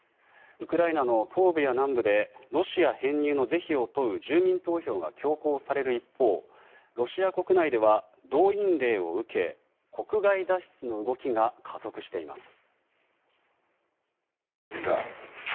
ウクライナの東部や南部でロシア編入の是非を問う住民投票が強行される一方ロシア国内では動員令を受け国外脱出の動きが加速しています。